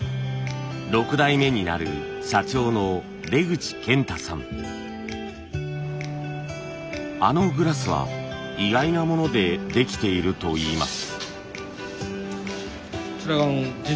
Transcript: ６代目になるあのグラスは意外なものでできているといいます。